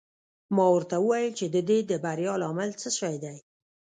ما ورته وویل چې د دې د بریا لامل څه شی دی.